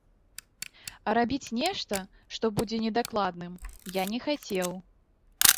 А рабіць нешта, што будзе недакладным, я не хацеў.